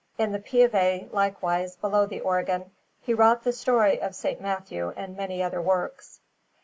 In the Pieve, likewise, below the organ, he wrought the story of S. Matthew and many other works.